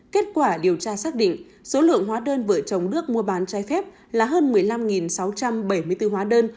kết quả điều tra xác định số lượng hóa đơn vợ chồng đức mua bán trái phép là hơn một mươi năm sáu trăm bảy mươi bốn hóa đơn